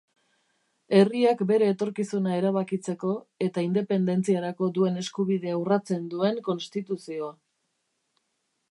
Herriak bere etorkizuna erabakitzeko eta independentziarako duen eskubidea urratzen duen konstituzioa.